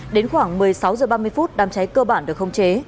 đến khoảng một mươi sáu giờ ba mươi phút đám cháy cơ bản được không chế